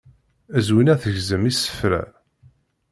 Zwina tgezzem isefra.